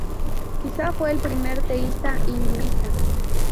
Quizá fue el primer teísta hinduista.